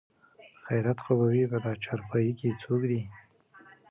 خېرت خو به وي په دا چارپايي کې څوک دي?